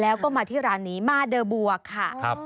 แล้วก็มาที่ร้านนี้มาเดอร์บัวค่ะ